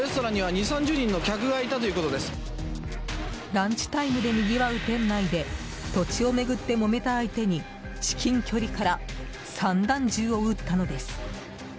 ランチタイムでにぎわう店内で土地を巡ってもめた相手に至近距離から散弾銃を撃ったのです。